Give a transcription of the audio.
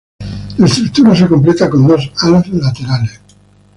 La estructura se completa con dos alas laterales.